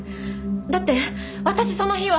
だって私その日は。